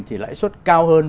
thì lãi suất cao hơn